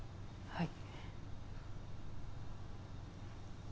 はい。